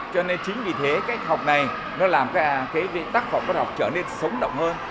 cho nên chính vì thế cách học này nó làm cái tác phẩm văn học trở nên sống động hơn